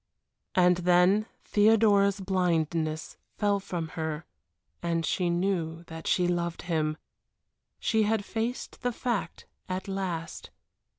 And then Theodora's blindness fell from her and she knew that she loved him she had faced the fact at last.